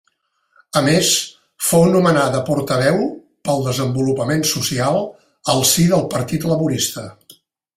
A més, fou nomenada portaveu pel desenvolupament social al si del Partit Laborista.